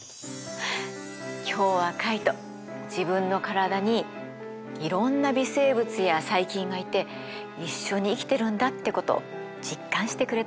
今日はカイト自分の体にいろんな微生物や細菌がいて一緒に生きてるんだってことを実感してくれたみたいです。